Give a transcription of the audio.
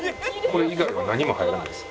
これ以外は何も入らないです。